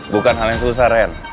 bukan hal yang susah ren